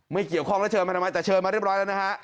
ไม่เกี่ยวข้องแล้วเชิญมาทำไมแต่เชิญมาเรียบร้อยแล้วนะฮะ